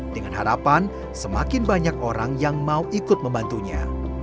dengan harapan semakin banyak orang yang mau ikut membantunya